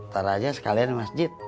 taruh aja sekalian masjid